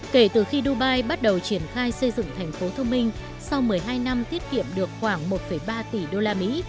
kể từ khi dubai bắt đầu triển khai xây dựng thành phố thông minh sau một mươi hai năm tiết kiệm được khoảng một ba tỷ usd